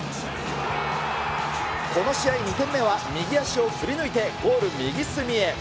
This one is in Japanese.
この試合２点目は、右足を振り抜いてゴール右隅へ。